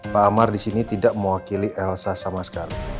pak amar disini tidak mewakili elsa sama sekali